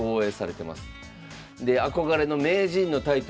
で憧れの名人のタイトル